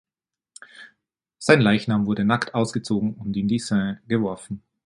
Sein Leichnam wurde nackt ausgezogen und in die Seine geworfen.